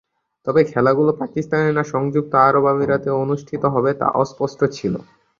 তবে, খেলাগুলো পাকিস্তানে না সংযুক্ত আরব আমিরাতে অনুষ্ঠিত হবে তা অস্পষ্ট ছিল।